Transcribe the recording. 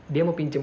dia mau pinjam uang